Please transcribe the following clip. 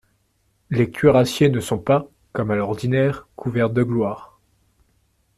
Les cuirassiers se sont, comme à l'ordinaire, couverts de gloire.